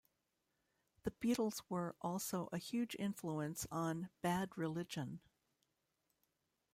The Beatles were also a huge influence on Bad Religion.